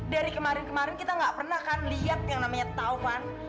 dari kemarin kemarin kita nggak pernah kan lihat yang namanya taufan